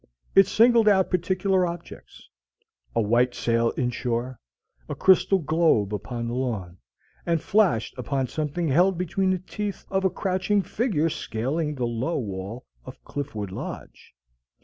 It singled out particular objects, a white sail in shore, a crystal globe upon the lawn, and flashed upon something held between the teeth of a crouching figure scaling the low wall of Cliffwood Lodge.